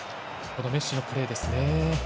このメッシのプレーですね。